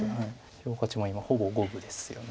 評価値も今ほぼ五分ですよね。